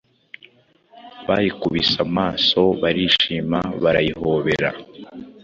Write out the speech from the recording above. bayikubise amaso, barishima, barayihobera,